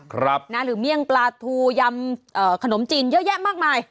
หรือเมี่ยงปลาทูยำขนมจีนเยอะแยะมากมาย